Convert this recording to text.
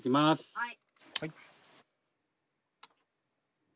はい。